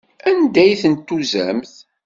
Anda ay ten-tuzamt?